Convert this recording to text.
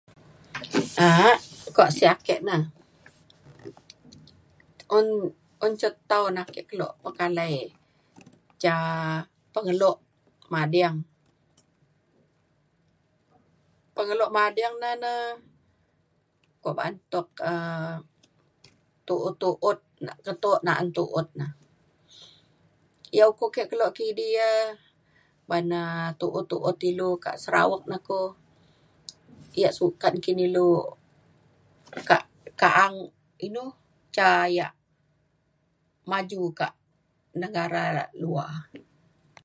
A'ak kuak sik ake na, un ca tau na ake kelo pekalai ca pengelo mading, pengelo mading na' na kuak ba'an tuk aaa, tu'ut tu'ut na keto na'an tu'ut na, yak uko kek kelo kidi ya ban'aa tu'ut tu'ut ilou kak Sarawak na kok, yak sukat ng'in ilou kak ka'ang inou ca yak maju kak negara luar.